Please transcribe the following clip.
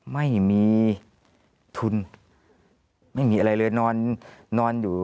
ไม่มีทุนไม่มีอะไรเลยนอนอยู่